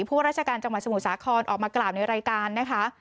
พวกราชการจังหวัดสมุทรสาครออกมากล่าวในรายการนะคะ